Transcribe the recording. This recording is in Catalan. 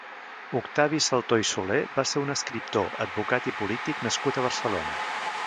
Octavi Saltor i Soler va ser un escriptor, advocat i polític nascut a Barcelona.